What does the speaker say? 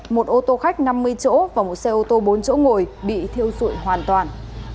một ô tô khách năm mươi chỗ và một xe ô tô bốn chỗ ngồi bị thiêu dụi hoàn toàn